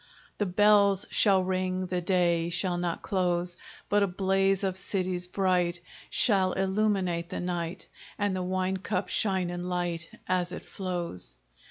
The bells shall ring! the day Shall not close, But a blaze of cities bright Shall illuminate the night, And the wine cup shine in light As it flows!